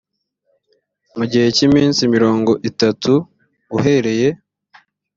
mu gihe cy iminsi mirongo itatu uhereye